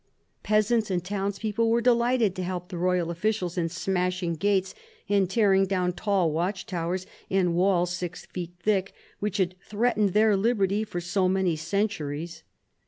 Peasants and townspeople were delighted to help the royal officials in smashing gates and tearing down tall watch towers and walls six feet thick, which had threatened their liberty for so many centuries.